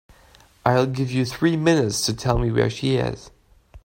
I'll give you three minutes to tell me where she is.